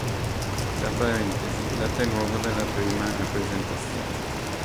Tra parentesi, data e luogo della prima rappresentazione.